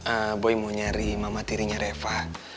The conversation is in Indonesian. eh boy mau nyari mama tirinya reva